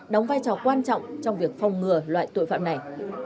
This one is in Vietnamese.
đóng vai trò quan trọng trong việc phòng ngừa loại tội phạm này